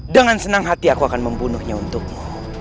dengan senang hati aku akan membunuhnya untukmu